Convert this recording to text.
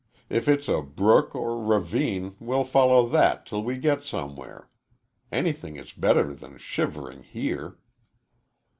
If it's a brook or ravine we'll follow that till we get somewhere. Anything is better than shivering here."